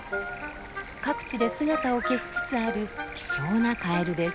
各地で姿を消しつつある希少なカエルです。